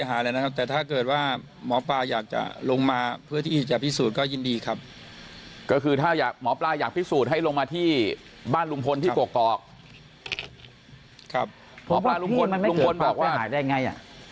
หมอปลาอยากจะลงมาเพื่อที่จะพิสูจน์ก็ยินดีครับก็คือถ้าอยากหมอปลาอยากพิสูจน์ให้ลงมาที่บ้านลุงพลที่กรอกกรอกครับเพราะว่าที่มันไม่เหมือนต่อไปหายได้ไงอ่ะ